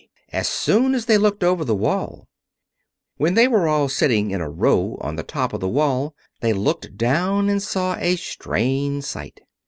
as soon as they looked over the wall. When they were all sitting in a row on the top of the wall, they looked down and saw a strange sight.